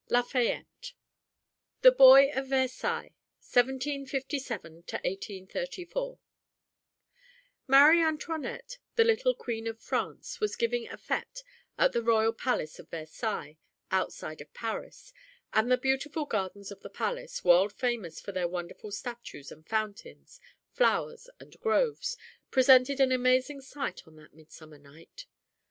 X Lafayette The Boy of Versailles: 1757 1834 Marie Antoinette, the little Queen of France, was giving a fête at the royal palace of Versailles, outside of Paris, and the beautiful gardens of the palace, world famous for their wonderful statues and fountains, flowers and groves, presented an amazing sight on that midsummer night.